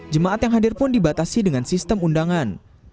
jemaat yang hadir pun dibatasi dengan sistem undangan